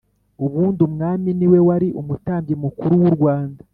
ubundi umwami niwe wari umutambyi mukuru w'u rwanda.